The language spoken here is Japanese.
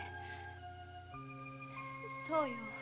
そうよ